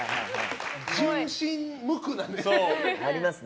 純真無垢なんですね。